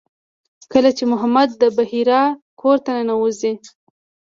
کله چې محمد د بحیرا کور ته ننوځي.